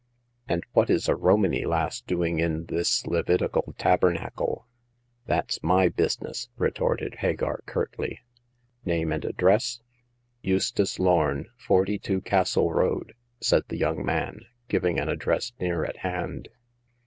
"And what is a Romany lass doing in this Levitical tabernacle ?"*^ That's my business !*' retorted Hagar, curtly. " Name and address ?"" Eustace Lorn, 42 Castle Road," said the young man, giving an address near at hand.